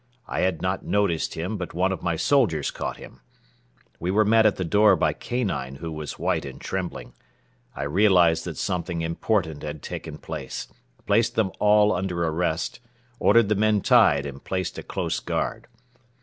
I had not noticed him but one of my soldiers caught him. We were met at the door by Kanine, who was white and trembling. I realized that something important had taken place, placed them all under arrest, ordered the men tied and placed a close guard.